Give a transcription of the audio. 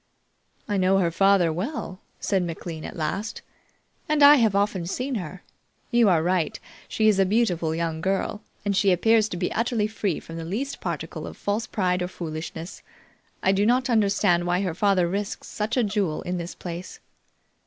"I know her father well," said McLean at last, "and I have often seen her. You are right; she is a beautiful young girl, and she appears to be utterly free from the least particle of false pride or foolishness. I do not understand why her father risks such a jewel in this place."